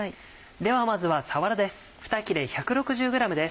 ではまずはさわらです。